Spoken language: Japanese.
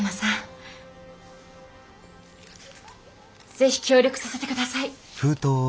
是非協力させて下さい。